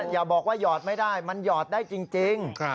อย่าบอกว่าหยอดไม่ได้มันหยอดได้จริง